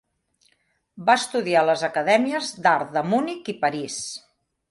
Va estudiar a les acadèmies d'art de Munic i París.